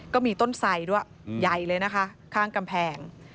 ก็มีต้นไสด้วยใหญ่เลยนะคะข้างกำแพง